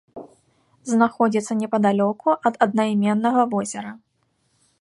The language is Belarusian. Знаходзіцца непадалёку ад аднайменнага возера.